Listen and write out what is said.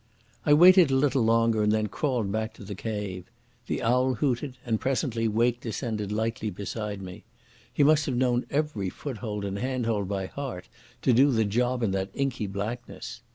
I waited a little longer, and then crawled back to the cave. The owl hooted, and presently Wake descended lightly beside me; he must have known every foothold and handhold by heart to do the job in that inky blackness.